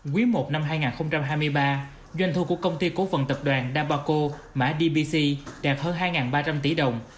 quý một năm hai nghìn hai mươi ba doanh thu của công ty cổ phần tập đoàn dabaco mã dbc đạt hơn hai ba trăm linh tỷ đồng